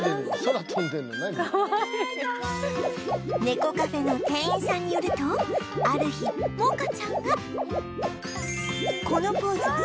猫カフェの店員さんによるとある日モカちゃんが